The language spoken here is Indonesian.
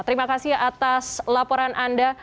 terima kasih atas laporan anda